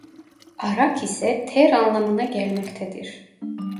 Arak ise ter anlamına gelmektedir.